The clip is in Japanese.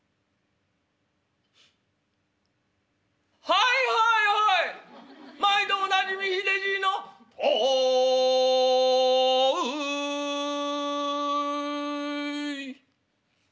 「『はいはいはい毎度おなじみひでじいの』『豆腐い』」。